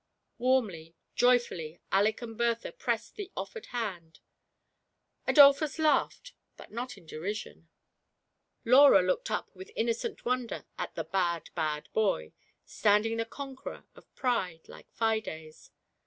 Warmly, joyfully, Aleck and Bertha pressed the offered hand — Adolphus laughed, but not in derision — Laura GIANT PRIDE. looked up with innocent wonder at the " bad, bad boy," standing the conqueror of Pride, like Fides.